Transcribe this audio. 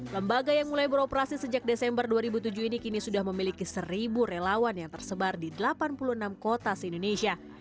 lembaga yang mulai beroperasi sejak desember dua ribu tujuh ini kini sudah memiliki seribu relawan yang tersebar di delapan puluh enam kota se indonesia